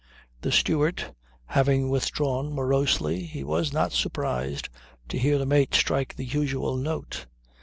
The steward having withdrawn morosely, he was not surprised to hear the mate strike the usual note.